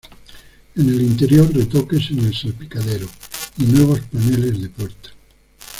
En el interior retoques en el salpicadero y nuevos paneles de puerta.